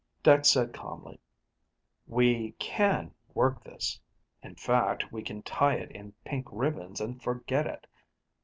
Dex said calmly, "We can work this in fact, we can tie it in pink ribbons and forget it.